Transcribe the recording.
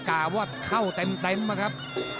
กาววดเข้าเต็มมาครับ